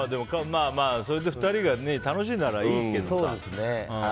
それで２人が楽しいならいいけどさ。